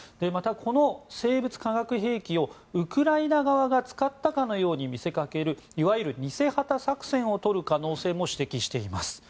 また、この生物化学兵器をウクライナ側が使ったかのように見せかけるいわゆる偽旗作戦をとる可能性も指摘しています。